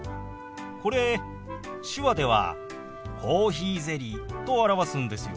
これ手話では「コーヒーゼリー」と表すんですよ。